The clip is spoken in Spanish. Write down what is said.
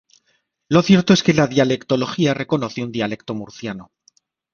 Lo cierto es que la dialectología reconoce un dialecto murciano.